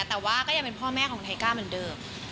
แต่ว่าก็ยังเป็นพ่อแม่ของไทก้าเหมือนเดิม